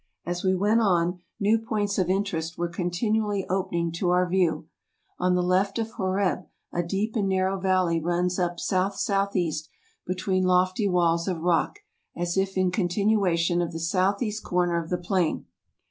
As we went on, new points of interest were continually opening to our view. On the left of Horeb a deep and narrow valley runs up S.S.E. between lofty walls of rock, as if in con¬ tinuation of the S.E. corner of the plain.